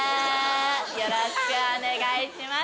よろしくお願いします。